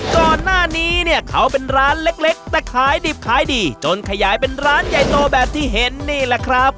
ก่อนหน้านี้เนี่ยเขาเป็นร้านเล็กแต่ขายดิบขายดีจนขยายเป็นร้านใหญ่โตแบบที่เห็นนี่แหละครับ